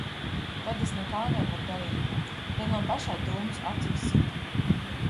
Tad es nekā nevaru darīt. Tad man pašai dūmus acīs sit.